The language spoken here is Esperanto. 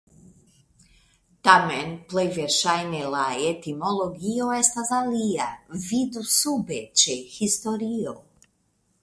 Tamen plej verŝajne la etimologio estas alia (vidu sube ĉe Historio).